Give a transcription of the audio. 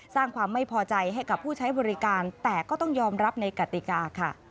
สร้างความไม่พอใจให้กับผู้ใช้บริการแต่ก็ต้องยอมรับในกติกาค่ะ